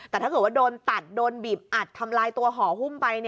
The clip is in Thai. แต่ถ้าเกิดว่าโดนตัดโดนบีบอัดทำลายตัวห่อหุ้มไป